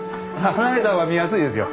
離れた方が見やすいですよ。